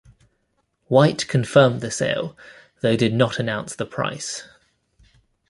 White confirmed the sale though did not announce the price.